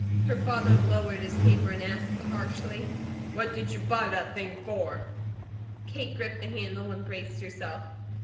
Her father lowered his paper and asked harshly: "What did you buy that thing for?" Kate gripped the handle and braced herself.